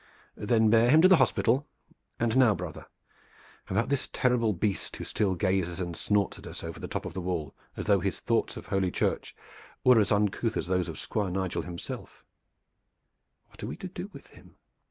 "Then bear him to the hospital. And now, brother, about this terrible beast who still gazes and snorts at us over the top of the wall as though his thoughts of Holy Church were as uncouth as those of Squire Nigel himself, what are we to do with him?"